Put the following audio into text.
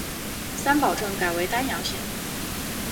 三堡镇改为丹阳县。